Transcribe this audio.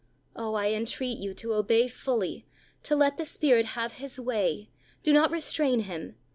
Oh! I entreat you to obey fully, to let the Spirit have His way. Do not restrain Him.